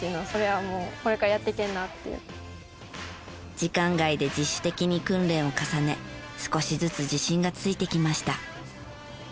時間外で自主的に訓練を重ね少しずつ自信がついてきました。